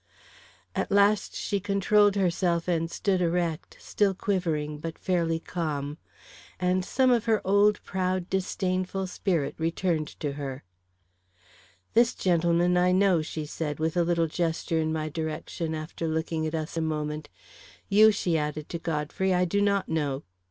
At last she controlled herself and stood erect, still quivering, but fairly calm. And some of her old proud, disdainful spirit returned to her. "This gentleman I know," she said, with a little gesture in my direction, after looking at us a moment. "You," she added to Godfrey, "I do not know."